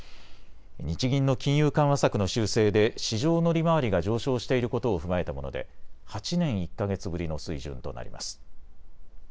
日銀の金融緩和策の修正で市場の利回りが上昇していることを踏まえたもので８年１か月ぶりの水準となります。